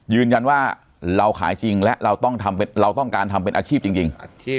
ยืนยันว่าเราขายจริงและเราต้องการทำเป็นอาชีพจริง